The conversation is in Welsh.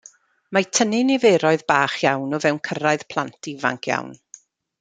Mae tynnu niferoedd bach iawn o fewn cyrraedd plant ifanc iawn.